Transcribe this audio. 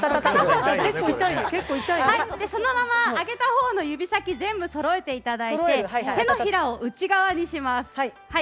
そのまま、上げたほうの指先そろえていただいて手のひらを内側にします。